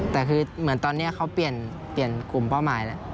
แต่คือเหมือนตอนนี้เขาเปลี่ยนกลุ่มเป้าหมายแล้ว